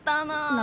何？